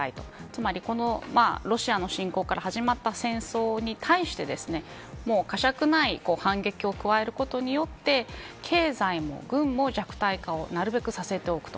つまり、ロシアの侵攻から始まった戦争に対して呵責ない反撃を加えることによって経済も軍も弱体化をなるべくさせておく。